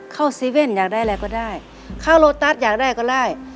ซีเว่นอยากได้อะไรก็ได้เข้าโลตัสอยากได้ก็ได้